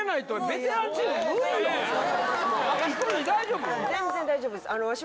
全然大丈夫です私